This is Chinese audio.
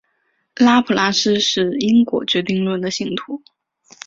拉普拉斯是因果决定论的信徒。